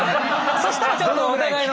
そしたらちょっとお互いの。